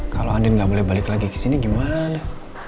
kalau andin nggak boleh balik lagi ke sini gimana